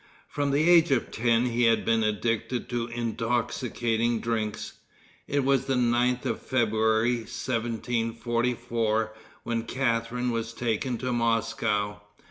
From the age of ten he had been addicted to intoxicating drinks. It was the 9th of February, 1744, when Catharine was taken to Moscow.